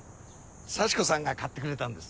幸子さんが買ってくれたんです。